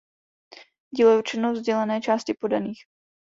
Dílo je určeno vzdělané části poddaných.